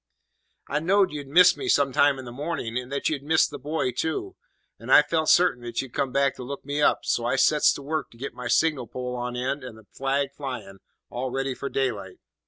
"I knowed you'd miss me some time in the morning, and that you'd miss the buoy too, and I felt sartain that you'd come back to look me up, so I sets to work to get my signal pole on end and the flag flyin', all ready for daylight.